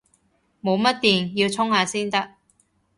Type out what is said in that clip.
冇乜電，要充下先得